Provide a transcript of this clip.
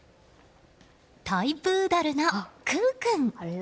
トイプードルの、クゥ君。